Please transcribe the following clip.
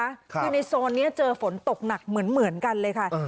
คือในโซนนี้เจอฝนตกหนักเหมือนกันเลยค่ะ